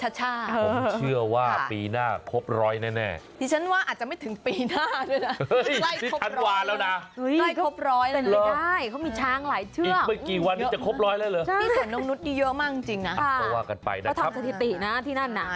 เราคือว่าปีหน้าครบร้อยแน่ตอนนี้สัจวาแล้วนะ